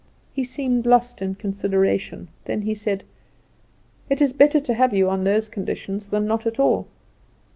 He seemed lost in consideration; then he said: "It is better to have you on those conditions than not at all.